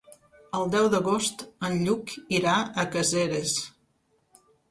El deu d'agost en Lluc irà a Caseres.